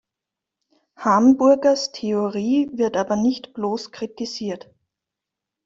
Hamburgers Theorie wird aber nicht bloß kritisiert.